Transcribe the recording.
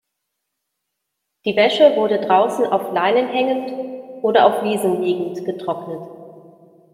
Die Wäsche wurde draußen auf Leinen hängend oder auf Wiesen liegend getrocknet.